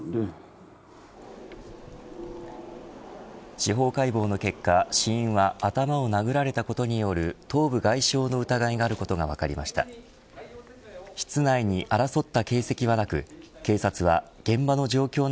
司法解剖の結果死因は頭を殴られたことによる頭部外傷の疑いがあることが分かりました。